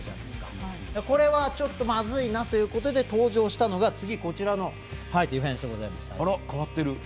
これは、まずいなということで登場したのが、こちらのディフェンスでございます。